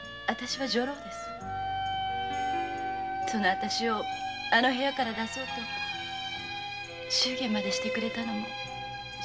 そのあたしをあの部屋から出そうと祝言までしてくれたのも周蔵さんです。